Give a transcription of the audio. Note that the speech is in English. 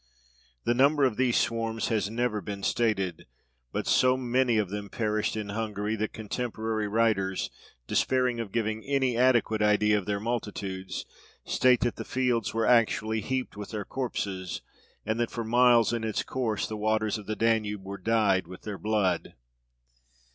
The number of these swarms has never been stated; but so many of them perished in Hungary, that contemporary writers, despairing of giving any adequate idea of their multitudes, state that the fields were actually heaped with their corpses, and that for miles in its course the waters of the Danube were dyed with their blood.